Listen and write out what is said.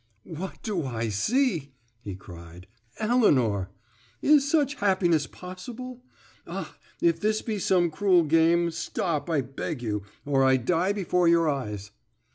"What do I see?" he cried. "Elinor! Is such happiness possible? Ah! if this be some cruel game, stop, I beg you, or I die before your eyes."